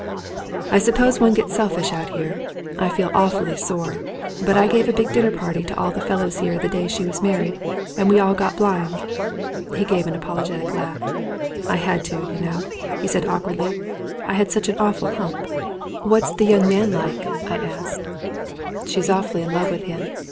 "I suppose one gets selfish out here, I felt aw fully sore, but I gave a big dinner party to all the fellows here the day she was married, and we all got blind." He gave an apologetic laugh. "I had to, you know," he said awkwardly. "I had such an awful hump." 177 ON A CHINESE SCBEEN "What's the young man like?" I asked. "She's awfully in love with him.